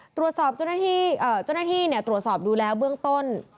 ตรวจสอบเจ้าหน้าที่ตรวจสอบดูแล้วเบื้องต้น